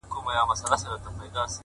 پاچا صاحبه خالي سوئ، له جلاله یې،